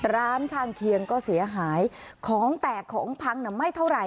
ร้านข้างเคียงก็เสียหายของแตกของพังไม่เท่าไหร่